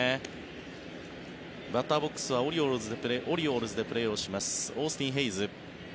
バッターボックスはオリオールズでプレーをしますオースティン・ヘイズ。